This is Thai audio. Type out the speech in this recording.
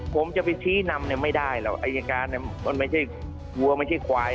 ผมจะไปชี้นำไม่ได้หรอกอายการมันไม่ใช่วัวไม่ใช่ควาย